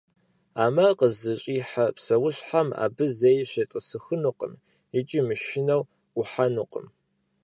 А мэр къызыщӏихьэ псэущхьэхэр абы зэи щетӏысэхынукъым икӏи, мышынэу, ӏухьэнукъым.